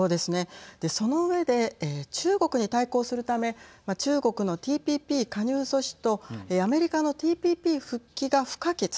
その上で中国に対抗するため中国のＴＰＰ加入阻止とアメリカのＴＰＰ復帰が不可欠。